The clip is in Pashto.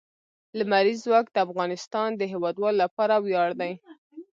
لمریز ځواک د افغانستان د هیوادوالو لپاره ویاړ دی.